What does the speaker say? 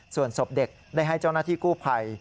ส่วนศพเด็กได้ให้เจ้าหน้าที่กู้ภัย